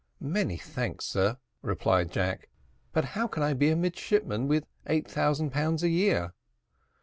"Many thanks, sir," replied Jack; "but how can I be a midshipman with eight thousand pounds a year?"